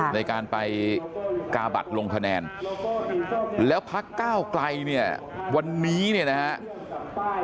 ในการไปกาบัตรลงคะแนนแล้วพักก้าวไกลเนี่ยวันนี้เนี่ยนะครับ